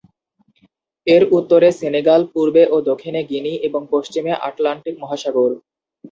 এর উত্তরে সেনেগাল, পূর্বে ও দক্ষিণে গিনি, এবং পশ্চিমে আটলান্টিক মহাসাগর।